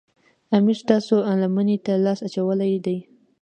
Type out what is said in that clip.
امیر ستاسو لمنې ته لاس اچولی دی.